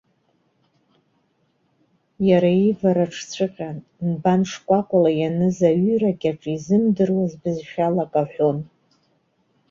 Иара ивараҿыҵәҟьа анбан шкәакәала ианыз аҩыра кьаҿ изымдыруаз бызшәала акы аҳәон.